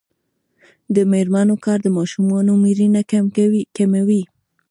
د میرمنو کار د ماشومانو مړینه کموي.